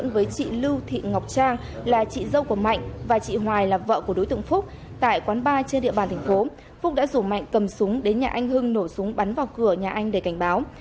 và chị hoài là vợ của đối tượng phúc tại quán bar trên địa bàn thành phố phúc đã rủ mạnh cầm súng đến nhà anh hưng nổ súng bắn vào cửa nhà anh để cảnh báo